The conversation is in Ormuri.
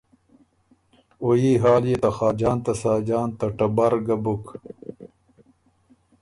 او يي حال يې ته خاجان ته ساجان ته ټبر ګۀ بیوک